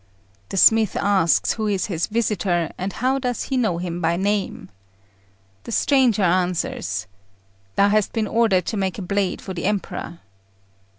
The smith asks who is his visitor, and how does he know him by name. The stranger answers, "Thou hast been ordered to make a blade for the Emperor."